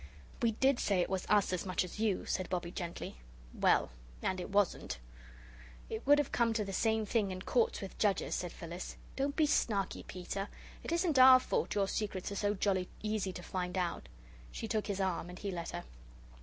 "We DID say it was us as much as you," said Bobbie, gently. "Well and it wasn't." "It would have come to the same thing in Courts with judges," said Phyllis. "Don't be snarky, Peter. It isn't our fault your secrets are so jolly easy to find out." She took his arm, and he let her.